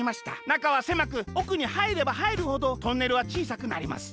なかはせまくおくにはいればはいるほどトンネルはちいさくなります。